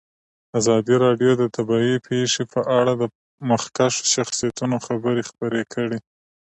ازادي راډیو د طبیعي پېښې په اړه د مخکښو شخصیتونو خبرې خپرې کړي.